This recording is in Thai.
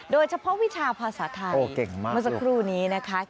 โดยเฉพาะวิชาภาษาไทยเมื่อสักครู่นี้นะคะ